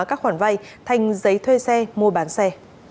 các khoản vay thành giấy thuê xe mua bán xe